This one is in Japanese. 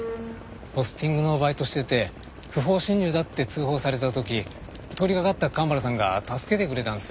ポスティングのバイトをしてて不法侵入だって通報された時通りがかった神原さんが助けてくれたんですよ。